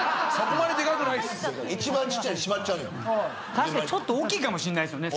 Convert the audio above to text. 確かにちょっと大きいかもしんないですよね。